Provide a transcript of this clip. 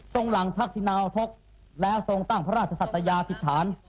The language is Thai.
ตรงหลังทักษินาทกและตรงตั้งพระราชสังฆ์ตัยาจิตฐาน